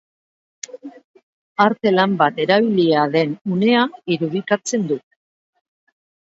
Arte lan bat erabilia den unea irudikatzen du.